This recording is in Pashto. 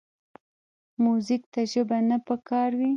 موزیک ته ژبه نه پکار وي.